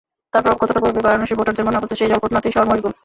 তার প্রভাব কতটা পড়বে বারানসির ভোটারদের মনে, আপাতত সেই জল্পনাতেই শহর মশগুল।